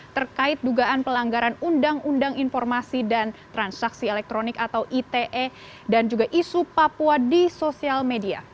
terkait dugaan pelanggaran undang undang informasi dan transaksi elektronik atau ite dan juga isu papua di sosial media